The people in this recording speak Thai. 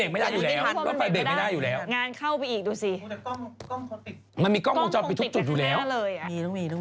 คือผู้สิทธิ์ข่าวเดินทางไปบ้านหลังหนึ่ง